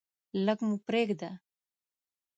لږ مو پریږده.